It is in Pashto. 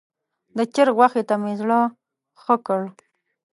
د چرګ غوښې ته مې زړه ښه کړ.